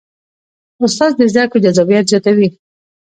استاد د زده کړو جذابیت زیاتوي.